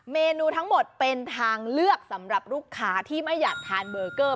เมนูทั้งหมดเป็นทางเลือกสำหรับลูกค้าที่ไม่อยากทานเบอร์เกอร์